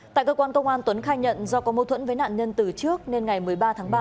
tại cơ quan công an tuấn khai nhận do có mâu thuẫn với nạn nhân từ trước nên ngày một mươi ba tháng ba